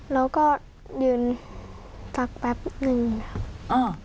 แล้วก็ยืนตักแป๊บหนึ่งครับอ้อ